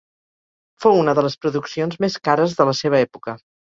Fou una de les produccions més cares de la seva època.